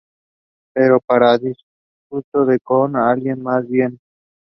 He served as director of the Metropolitan Trust Company until his death.